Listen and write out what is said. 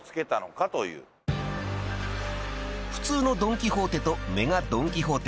［普通のドン・キホーテとＭＥＧＡドン・キホーテ］